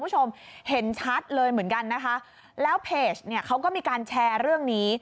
คุณผู้ชมเห็นชัดเลยเหมือนกันนะคะแล้วเพจเนี่ยเขาก็มีการแชร์เรื่องนี้